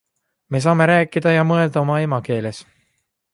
Me saame rääkida ja mõelda oma emakeeles.